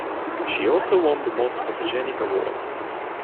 She also won the Most Photogenic Award.